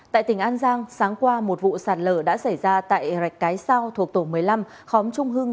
tại tỉnh an giang sáng qua một vụ sạt lở đã xảy ra tại rạch cái sao thuộc tổ một mươi năm khóm trung hưng